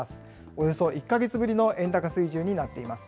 およそ１か月ぶりの円高水準になっています。